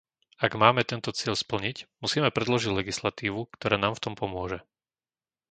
Ak máme tento cieľ splniť, musíme predložiť legislatívu, ktorá nám v tom pomôže.